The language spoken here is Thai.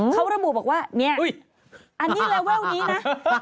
เขาระบุบอกว่าเนี่ยอันนี้เลเวลนี้นะ